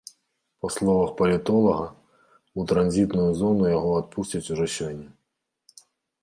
Па словах палітолага, у транзітную зону яго адпусцяць ужо сёння.